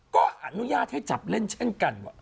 ก็อนุญาตให้จับเล่นเช่นกันว่า